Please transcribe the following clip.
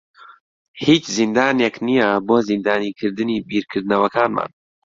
هیچ زیندانێک نییە بۆ زیندانیکردنی بیرکردنەوەکانمان.